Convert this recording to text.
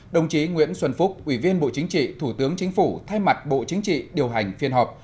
đồng chí nguyễn xuân phúc ủy viên bộ chính trị thủ tướng chính phủ thay mặt bộ chính trị điều hành phiên họp